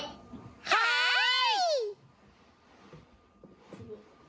はい！